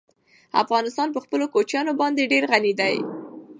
افغانستان په خپلو کوچیانو باندې ډېر غني دی.